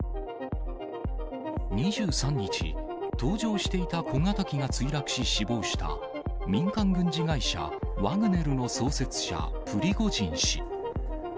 ２３日、搭乗していた小型機が墜落し死亡した、民間軍事会社ワグネルの創設者、プリゴジン氏。